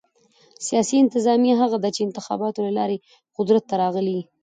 سیاسي انتظامیه هغه ده، چي انتخاباتو له لاري قدرت ته راغلي يي.